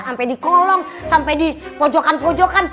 sampai di kolong sampai di pojokan pojokan